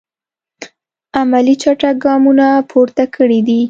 عملي چټک ګامونه پورته کړی دي.